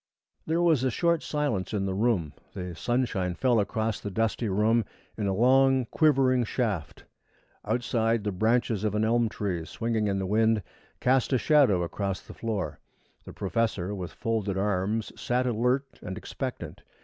There was a short silence in the room. The sunshine fell across the dusty room in a long, quivering shaft. Outside, the branches of an elm tree swinging in the wind cast a shadow across the floor. The professor, with folded arms, sat alert and expectant.